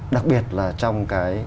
đặc biệt là trong